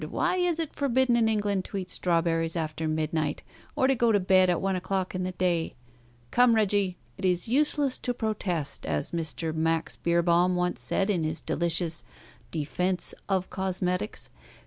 Why, is it forbidden in England to eat strawberries after midnight, or to go to bed at one o'clock in the day? Come, Reggie! It is useless to protest, as Mr. Max Beerbohm once said in his delicious 'Defence of Cosmetics.'